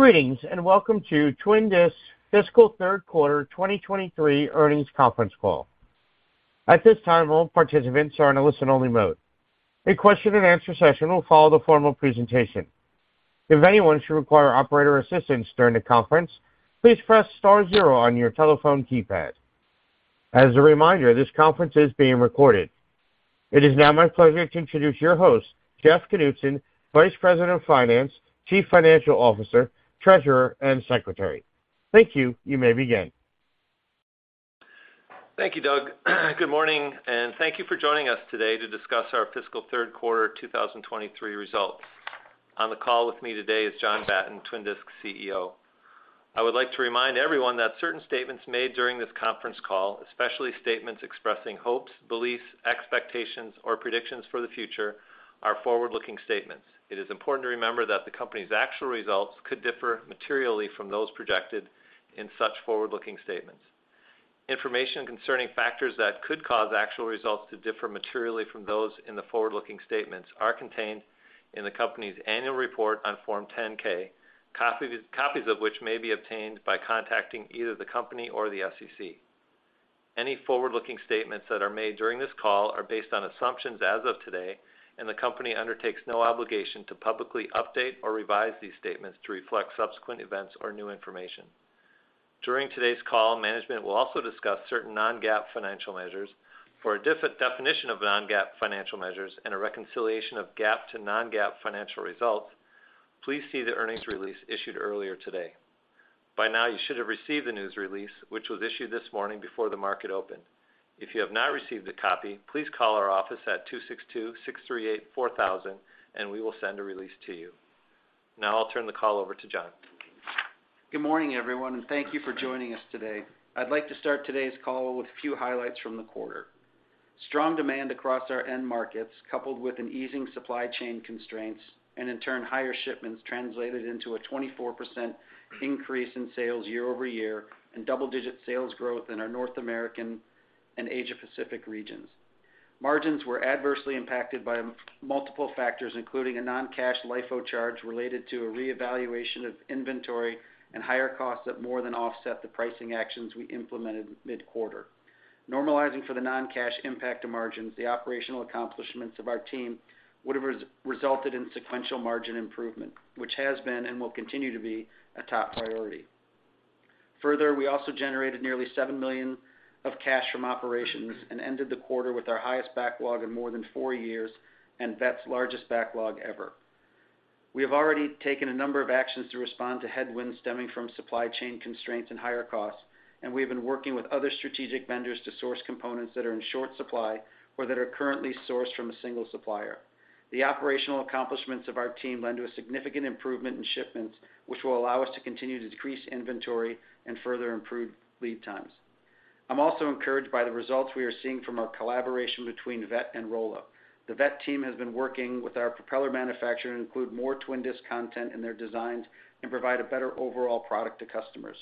Greetings, and welcome to Twin Disc Fiscal Third Quarter 2023 Earnings Conference Call. At this time, all participants are in a listen-only mode. A question and answer session will follow the formal presentation. If anyone should require operator assistance during the conference, please press star zero on your telephone keypad. As a reminder, this conference is being recorded. It is now my pleasure to introduce your host, Jeff Knutson, Vice President of Finance, Chief Financial Officer, Treasurer, and Secretary. Thank you. You may begin. Thank you, Doug. Good morning, and thank you for joining us today to discuss our fiscal Q3 2023 results. On the call with me today is John Batten, Twin Disc CEO. I would like to remind everyone that certain statements made during this conference call, especially statements expressing hopes, beliefs, expectations, or predictions for the future, are forward-looking statements. It is important to remember that the company's actual results could differ materially from those projected in such forward-looking statements. Information concerning factors that could cause actual results to differ materially from those in the forward-looking statements are contained in the company's annual report on Form 10-K, copies of which may be obtained by contacting either the company or the SEC. Any forward-looking statements that are made during this call are based on assumptions as of today, the company undertakes no obligation to publicly update or revise these statements to reflect subsequent events or new information. During today's call, management will also discuss certain non-GAAP financial measures. For a definition of non-GAAP financial measures and a reconciliation of GAAP to non-GAAP financial results, please see the earnings release issued earlier today. By now, you should have received the news release, which was issued this morning before the market opened. If you have not received a copy, please call our office at 262-638-4000, we will send a release to you. Now I'll turn the call over to John. Good morning, everyone, and thank you for joining us today. I'd like to start today's call with a few highlights from the quarter. Strong demand across our end markets, coupled with an easing supply chain constraints and in turn, higher shipments translated into a 24% increase in sales year-over-year and double-digit sales growth in our North American and Asia Pacific regions. Margins were adversely impacted by multiple factors, including a non-cash LIFO charge related to a reevaluation of inventory and higher costs that more than offset the pricing actions we implemented mid-quarter. Normalizing for the non-cash impact to margins, the operational accomplishments of our team would have resulted in sequential margin improvement, which has been and will continue to be a top priority. We also generated nearly $7 million of cash from operations and ended the quarter with our highest backlog in more than four years and Veth's largest backlog ever. We have already taken a number of actions to respond to headwinds stemming from supply chain constraints and higher costs, and we have been working with other strategic vendors to source components that are in short supply or that are currently sourced from a single supplier. The operational accomplishments of our team lend to a significant improvement in shipments, which will allow us to continue to decrease inventory and further improve lead times. I'm also encouraged by the results we are seeing from our collaboration between Veth and Rolla. The Veth team has been working with our propeller manufacturer to include more Twin Disc content in their designs and provide a better overall product to customers.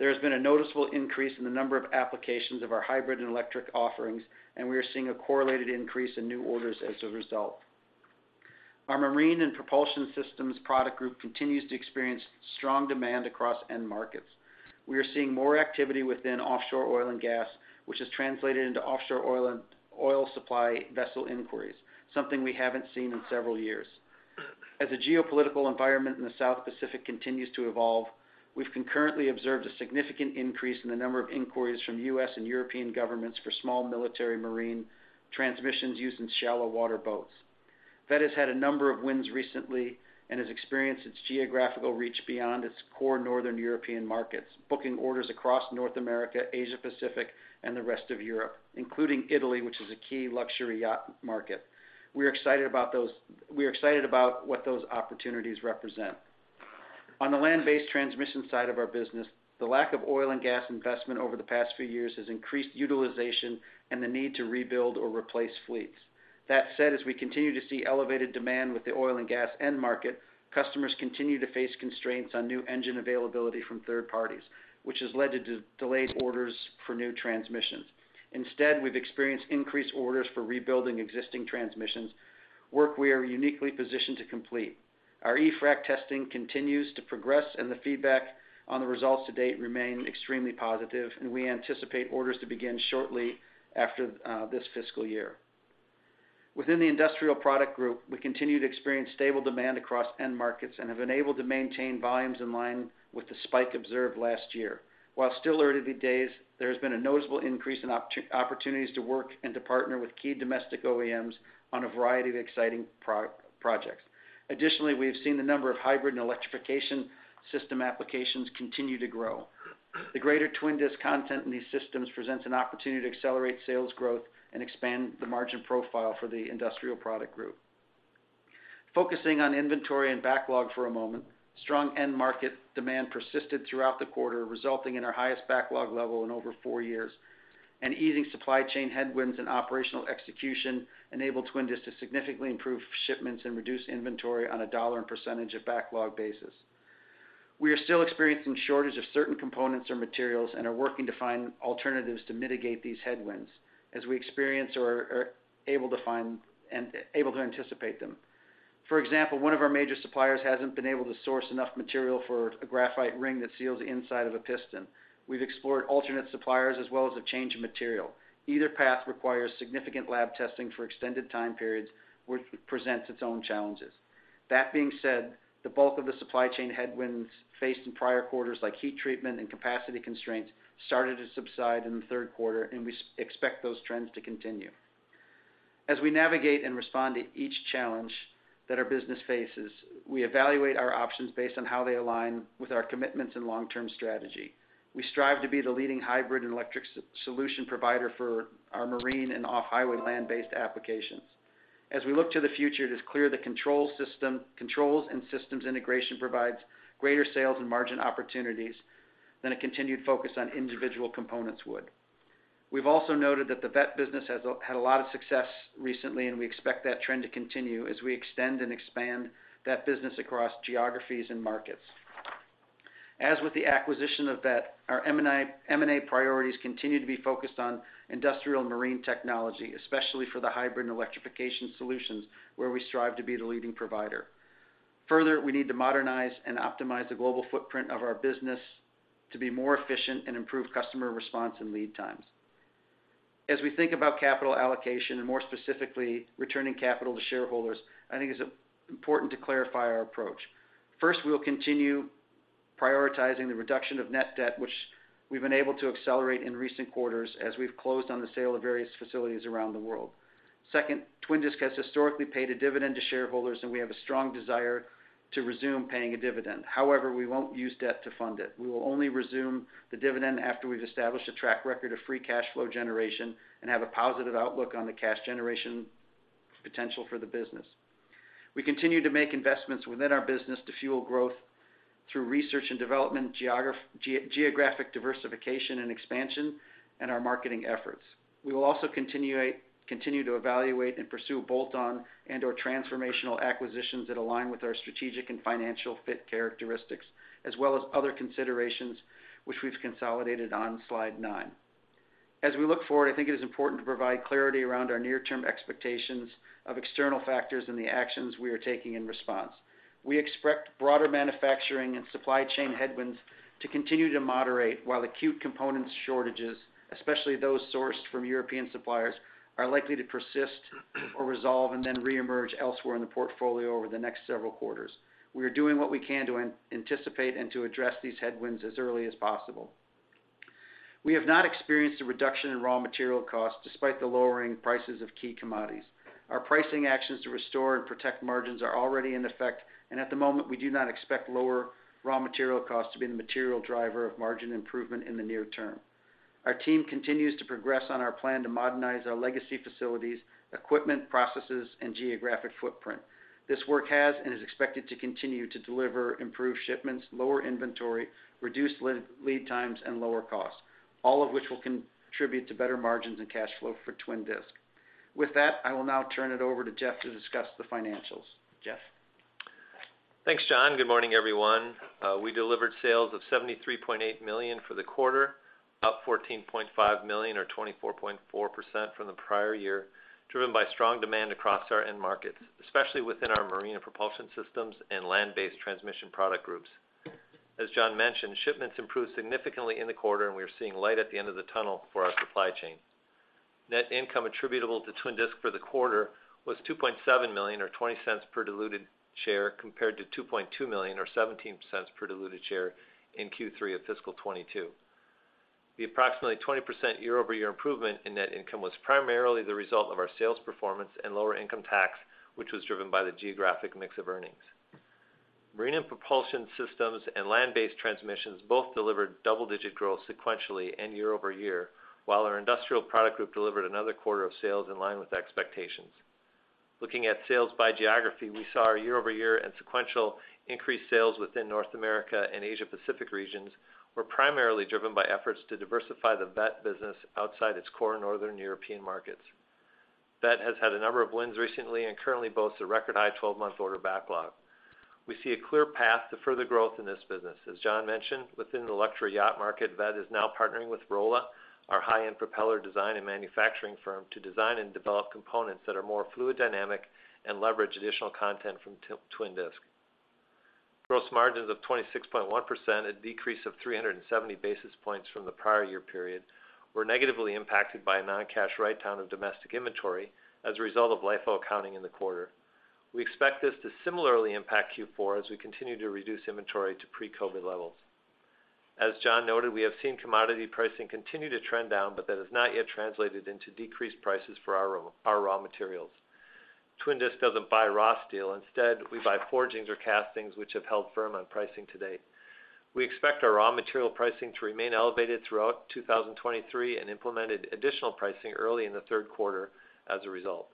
There has been a noticeable increase in the number of applications of our hybrid and electric offerings, and we are seeing a correlated increase in new orders as a result. Our marine and propulsion systems product group continues to experience strong demand across end markets. We are seeing more activity within offshore oil and gas, which has translated into offshore oil and oil supply vessel inquiries, something we haven't seen in several years. As the geopolitical environment in the South Pacific continues to evolve, we've concurrently observed a significant increase in the number of inquiries from U.S. and European governments for small military marine transmissions used in shallow water boats. Veth has had a number of wins recently and has experienced its geographical reach beyond its core Northern European markets, booking orders across North America, Asia Pacific, and the rest of Europe, including Italy, which is a key luxury yacht market. We're excited about what those opportunities represent. On the Land-Based Transmissions side of our business, the lack of oil and gas investment over the past few years has increased utilization and the need to rebuild or replace fleets. That said, as we continue to see elevated demand with the oil and gas end market, customers continue to face constraints on new engine availability from third parties, which has led to delayed orders for new transmissions. Instead, we've experienced increased orders for rebuilding existing transmissions, work we are uniquely positioned to complete. Our E-Frac testing continues to progress, the feedback on the results to date remain extremely positive, we anticipate orders to begin shortly after this fiscal year. Within the industrial product group, we continue to experience stable demand across end markets and have been able to maintain volumes in line with the spike observed last year. While still early days, there has been a noticeable increase in opportunities to work and to partner with key domestic OEMs on a variety of exciting projects. Additionally, we have seen the number of hybrid and electrification system applications continue to grow. The greater Twin Disc content in these systems presents an opportunity to accelerate sales growth and expand the margin profile for the industrial product group. Focusing on inventory and backlog for a moment, strong end market demand persisted throughout the quarter, resulting in our highest backlog level in over four years. Easing supply chain headwinds and operational execution enabled Twin Disc to significantly improve shipments and reduce inventory on a dollar and percentage of backlog basis. We are still experiencing shortage of certain components or materials and are working to find alternatives to mitigate these headwinds as we experience or are able to find and able to anticipate them. For example, one of our major suppliers hasn't been able to source enough material for a graphite ring that seals inside of a piston. We've explored alternate suppliers as well as a change in material. Either path requires significant lab testing for extended time periods, which presents its own challenges. That being said, the bulk of the supply chain headwinds faced in prior quarters, like heat treatment and capacity constraints, started to subside in the third quarter. We expect those trends to continue. As we navigate and respond to each challenge that our business faces, we evaluate our options based on how they align with our commitments and long-term strategy. We strive to be the leading hybrid and electric solution provider for our marine and off-highway land-based applications. As we look to the future, it is clear the controls and systems integration provides greater sales and margin opportunities than a continued focus on individual components would. We've also noted that the Veth business has had a lot of success recently. We expect that trend to continue as we extend and expand that business across geographies and markets. As with the acquisition of Veth, our M&A priorities continue to be focused on industrial and marine technology, especially for the hybrid and electrification solutions, where we strive to be the leading provider. Further, we need to modernize and optimize the global footprint of our business to be more efficient and improve customer response and lead times. As we think about capital allocation and more specifically, returning capital to shareholders, I think it's important to clarify our approach. First, we will continue prioritizing the reduction of net debt, which we've been able to accelerate in recent quarters as we've closed on the sale of various facilities around the world. Second, Twin Disc has historically paid a dividend to shareholders, and we have a strong desire to resume paying a dividend. However, we won't use debt to fund it. We will only resume the dividend after we've established a track record of free cash flow generation and have a positive outlook on the cash generation potential for the business. We continue to make investments within our business to fuel growth through research and development, geographic diversification and expansion, and our marketing efforts. We will also continue to evaluate and pursue bolt-on and/or transformational acquisitions that align with our strategic and financial fit characteristics, as well as other considerations which we've consolidated on slide 9. As we look forward, I think it is important to provide clarity around our near-term expectations of external factors and the actions we are taking in response. We expect broader manufacturing and supply chain headwinds to continue to moderate, while acute components shortages, especially those sourced from European suppliers, are likely to persist or resolve and then reemerge elsewhere in the portfolio over the next several quarters. We are doing what we can to anticipate and to address these headwinds as early as possible. We have not experienced a reduction in raw material costs despite the lowering prices of key commodities. Our pricing actions to restore and protect margins are already in effect, and at the moment, we do not expect lower raw material costs to be the material driver of margin improvement in the near term. Our team continues to progress on our plan to modernize our legacy facilities, equipment, processes, and geographic footprint. This work has and is expected to continue to deliver improved shipments, lower inventory, reduced lead times, and lower costs, all of which will contribute to better margins and cash flow for Twin Disc. With that, I will now turn it over to Jeff to discuss the financials. Jeff? Thanks, John. Good morning, everyone. We delivered sales of $73.8 million for the quarter, up $14.5 million or 24.4% from the prior year, driven by strong demand across our end markets, especially within our marine and propulsion systems and Land-Based Transmissions product groups. As John mentioned, shipments improved significantly in the quarter, and we are seeing light at the end of the tunnel for our supply chain. Net income attributable to Twin Disc for the quarter was $2.7 million or $0.20 per diluted share, compared to $2.2 million or $0.17 per diluted share in Q3 of fiscal 2022. The approximately 20% year-over-year improvement in net income was primarily the result of our sales performance and lower income tax, which was driven by the geographic mix of earnings. Marine and propulsion systems and Land-Based Transmissions both delivered double-digit growth sequentially and year-over-year, while our industrial product group delivered another quarter of sales in line with expectations. Looking at sales by geography, we saw our year-over-year and sequential increased sales within North America and Asia Pacific regions were primarily driven by efforts to diversify the Veth business outside its core Northern European markets. Veth has had a number of wins recently and currently boasts a record high twelve-month order backlog. We see a clear path to further growth in this business. As John mentioned, within the luxury yacht market, Veth is now partnering with Rolla, our high-end propeller design and manufacturing firm, to design and develop components that are more fluid dynamic and leverage additional content from Twin Disc. Gross margins of 26.1%, a decrease of 370 basis points from the prior year period, were negatively impacted by a non-cash write-down of domestic inventory as a result of LIFO accounting in the quarter. We expect this to similarly impact Q4 as we continue to reduce inventory to pre-COVID levels. As John noted, we have seen commodity pricing continue to trend down, but that has not yet translated into decreased prices for our raw materials. Twin Disc doesn't buy raw steel. Instead, we buy forgings or castings, which have held firm on pricing to date. We expect our raw material pricing to remain elevated throughout 2023 and implemented additional pricing early in the third quarter as a result.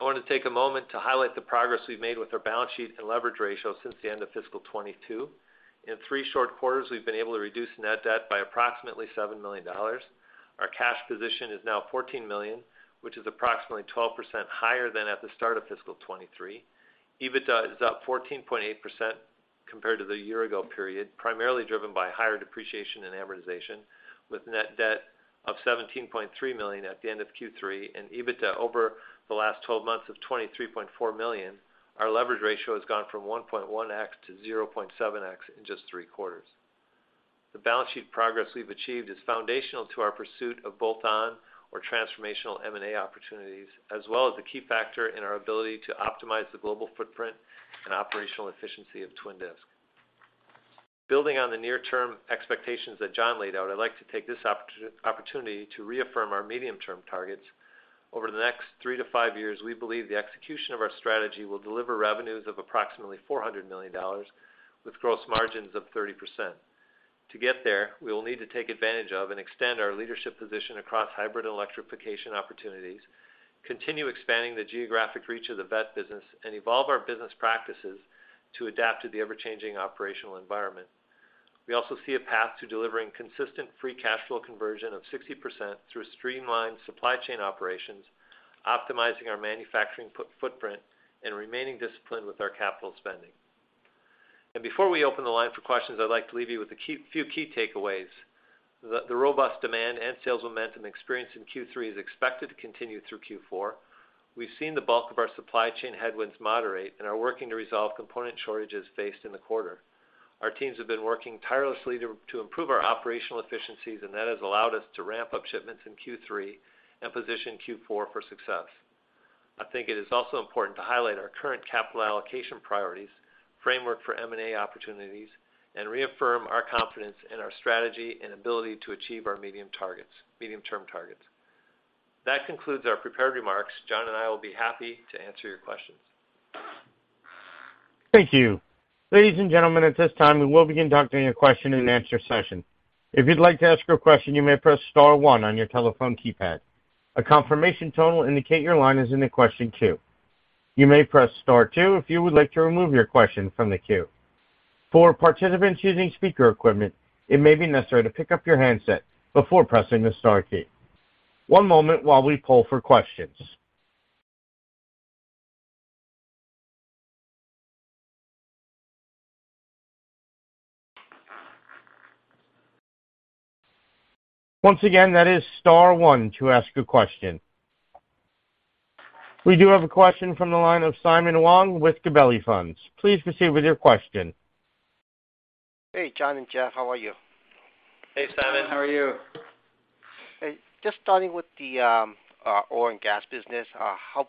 I want to take a moment to highlight the progress we've made with our balance sheet and leverage ratio since the end of fiscal 22. In three short quarters, we've been able to reduce net debt by approximately $7 million. Our cash position is now $14 million, which is approximately 12% higher than at the start of fiscal 23. EBITDA is up 14.8% compared to the year-ago period, primarily driven by higher depreciation and amortization with net debt of $17.3 million at the end of Q3 and EBITDA over the last 12 months of $23.4 million. Our leverage ratio has gone from 1.1x to 0.7x in just three quarters. The balance sheet progress we've achieved is foundational to our pursuit of bolt-on or transformational M&A opportunities, as well as the key factor in our ability to optimize the global footprint and operational efficiency of Twin Disc. Building on the near-term expectations that John laid out, I'd like to take this opportunity to reaffirm our medium-term targets. Over the next three to five years, we believe the execution of our strategy will deliver revenues of approximately $400 million with gross margins of 30%. To get there, we will need to take advantage of and extend our leadership position across hybrid and electrification opportunities, continue expanding the geographic reach of the Veth business, and evolve our business practices to adapt to the ever-changing operational environment. We also see a path to delivering consistent free cash flow conversion of 60% through streamlined supply chain operations, optimizing our manufacturing footprint, and remaining disciplined with our capital spending. Before we open the line for questions, I'd like to leave you with a few key takeaways. The robust demand and sales momentum experienced in Q3 is expected to continue through Q4. We've seen the bulk of our supply chain headwinds moderate and are working to resolve component shortages faced in the quarter. Our teams have been working tirelessly to improve our operational efficiencies, That has allowed us to ramp up shipments in Q3 and position Q4 for success. I think it is also important to highlight our current capital allocation priorities, framework for M&A opportunities, and reaffirm our confidence in our strategy and ability to achieve our medium-term targets. That concludes our prepared remarks. John and I will be happy to answer your questions. Thank you. Ladies and gentlemen, at this time, we will begin conducting a question-and-answer session. If you'd like to ask a question, you may press star one on your telephone keypad. A confirmation tone will indicate your line is in the question queue. You may press star two if you would like to remove your question from the queue. For participants using speaker equipment, it may be necessary to pick up your handset before pressing the star key. One moment while we poll for questions. Once again, that is star one to ask a question. We do have a question from the line of Simon Wong with Gabelli Funds. Please proceed with your question. Hey, John and Jeff, how are you? Hey, Simon, how are you? Hey, just starting with the oil and gas business, how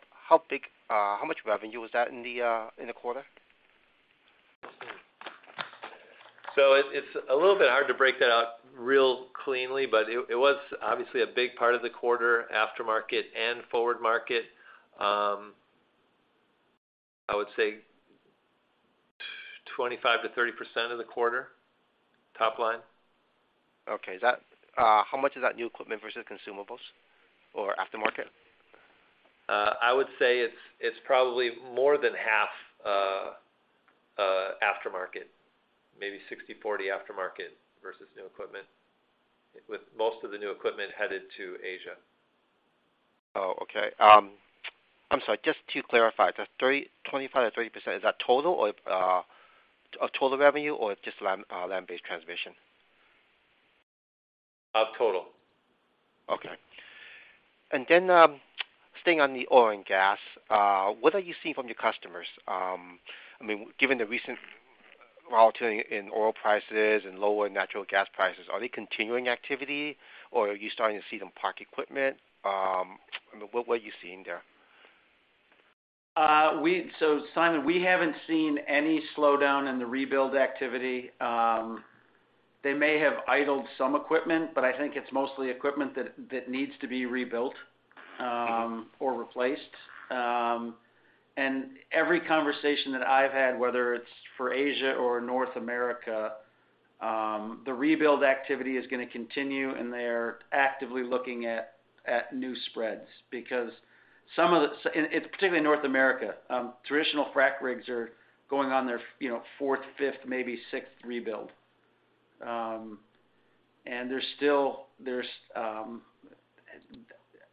big, how much revenue was that in the quarter? It's a little bit hard to break that out real cleanly, but it was obviously a big part of the quarter, aftermarket and forward market. I would say 25% to 30% of the quarter top line. Okay. Is that, how much is that new equipment versus consumables or aftermarket? I would say it's probably more than half aftermarket. Maybe 60/40 aftermarket versus new equipment, with most of the new equipment headed to Asia. Oh, okay. I'm sorry, just to clarify, the three, 25% to 30%, is that total or of total revenue or just Land-Based Transmissions? Of total. Okay. staying on the oil and gas, what are you seeing from your customers? I mean, given the recent volatility in oil prices and lower natural gas prices, are they continuing activity, or are you starting to see them park equipment? I mean, what are you seeing there? Simon, we haven't seen any slowdown in the rebuild activity. They may have idled some equipment, but I think it's mostly equipment that needs to be rebuilt or replaced. Every conversation that I've had, whether it's for Asia or North America, the rebuild activity is gonna continue, and they are actively looking at new spreads because some of the. It's particularly North America, traditional frack rigs are going on their, you know, fourth, fifth, maybe sixth rebuild. There's still, there's.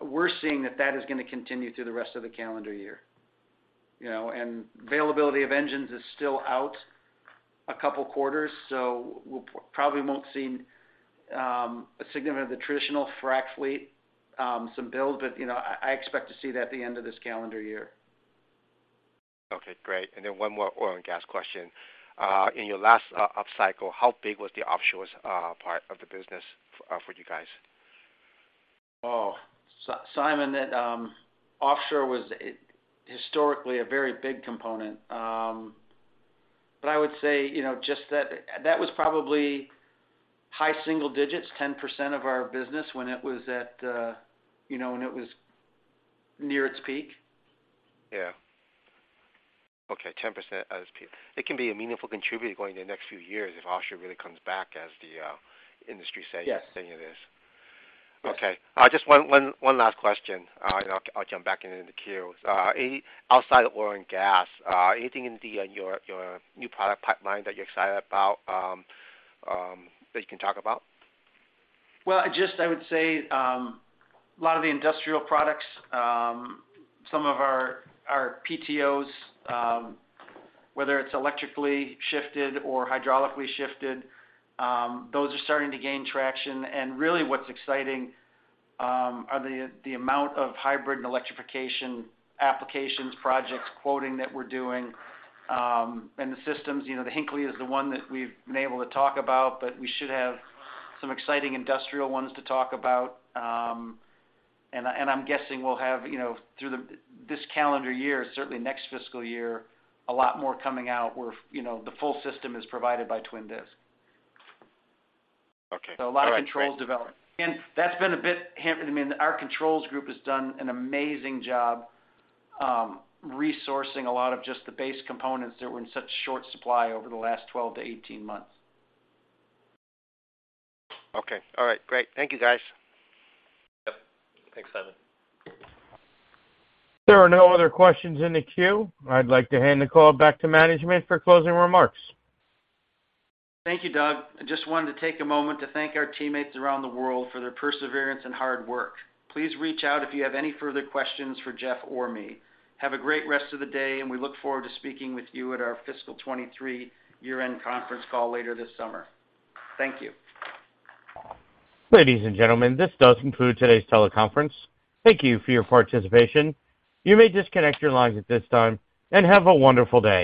We're seeing that that is gonna continue through the rest of the calendar year. You know, availability of engines is still out a couple quarters, so we probably won't see a significant of the traditional frack fleet, some build, but, you know, I expect to see that at the end of this calendar year. Okay, great. One more oil and gas question. In your last upcycle, how big was the offshore part of the business for you guys? Simon, offshore was historically a very big component. I would say, you know, that was probably high single digits, 10% of our business when it was at, you know, when it was near its peak. Yeah. Okay, 10% at its peak. It can be a meaningful contributor going the next few years if offshore really comes back as the industry. Yes. saying it is. Okay. Just one last question, and I'll jump back into the queue. Outside of oil and gas, anything in the your new product pipeline that you're excited about that you can talk about? Well, I just, I would say, a lot of the industrial products, some of our PTOs, whether it's electrically shifted or hydraulically shifted, those are starting to gain traction. Really what's exciting, are the amount of hybrid and electrification applications, projects, quoting that we're doing, and the systems. You know, the Hinckley is the one that we've been able to talk about, but we should have some exciting industrial ones to talk about. I, and I'm guessing we'll have, you know, through the, this calendar year, certainly next fiscal year, a lot more coming out where, you know, the full system is provided by Twin Disc. Okay. All right, great. A lot of controls development. That's been a bit hampered. I mean, our controls group has done an amazing job, resourcing a lot of just the base components that were in such short supply over the last 12 to 18 months. Okay. All right. Great. Thank you, guys. Yep. Thanks, Simon. There are no other questions in the queue. I'd like to hand the call back to management for closing remarks. Thank you, Doug. I just wanted to take a moment to thank our teammates around the world for their perseverance and hard work. Please reach out if you have any further questions for Jeff or me. Have a great rest of the day. We look forward to speaking with you at our fiscal 2023 year-end conference call later this summer. Thank you. Ladies and gentlemen, this does conclude today's teleconference. Thank you for your participation. You may disconnect your lines at this time. Have a wonderful day.